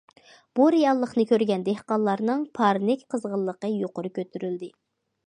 بۇ رېئاللىقنى كۆرگەن دېھقانلارنىڭ پارنىك قىزغىنلىقى يۇقىرى كۆتۈرۈلدى.